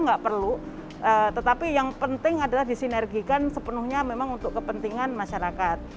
nggak perlu tetapi yang penting adalah disinergikan sepenuhnya memang untuk kepentingan masyarakat